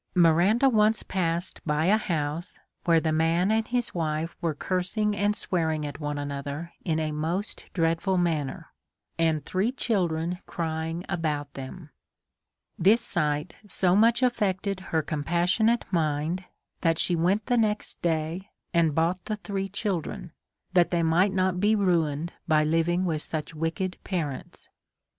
Miranda once passed by a house where the man and his wife were cursing and swearing at one another in a most dreadful manner, and three children crying; about tliem ; this sight so much affected her compas sionate mind, that she went the next day and bought the three children that they might not be ruined by living with such wicked parents.